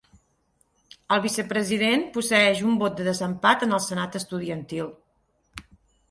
El vicepresident posseeix un vot de desempat en el Senat Estudiantil.